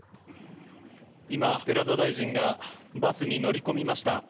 今、寺田大臣がバスに乗り込みました。